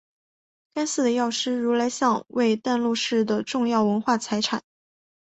该寺的药师如来像为淡路市的重要文化财产。